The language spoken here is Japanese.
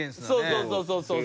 そうそうそうそう。